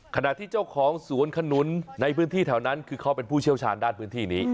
ขณะที่เจ้าของสวนขนุนในพื้นที่แถวนั้นคือเขาเป็นผู้เชี่ยวชาญด้านพื้นที่นี้